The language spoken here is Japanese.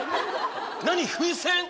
何⁉風船？